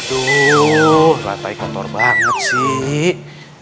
aduh rata ikutor banget sih